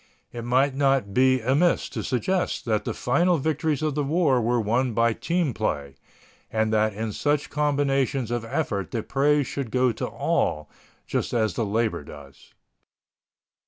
It might not be amiss to suggest that the final victories of the war were won by team play, and that in such combinations of effort the praise should go to all, just as the labor does.